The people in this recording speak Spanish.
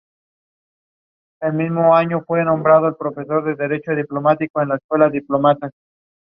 A partir de ese ejemplo, surgieron varias iniciativas de "Etiquetado Justo".